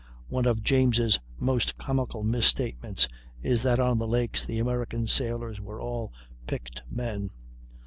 One of James' most comical misstatements is that on the lakes the American sailors were all "picked men."